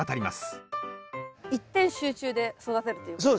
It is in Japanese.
一点集中で育てるということですか？